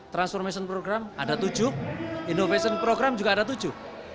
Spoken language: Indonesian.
transformation program ada tujuh innovation program juga ada tujuh